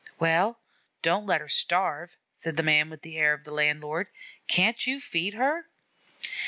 "Well, don't let her starve," said the man with the air of the landlord. "Can't you feed her?